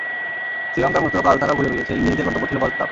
শ্রীলঙ্কার মতো কাল তারাও ঘুরে বেড়িয়েছে, ইংলিশদের গন্তব্য ছিল গলফ ক্লাব।